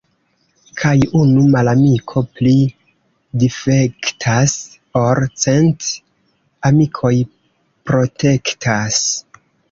Kaj unu malamiko pli difektas, ol cent amikoj protektas.